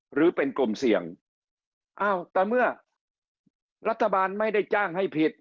หรือเป็นกลุ่มเสี่ยงอ้าวแต่เมื่อรัฐบาลไม่ได้จ้างให้ผิด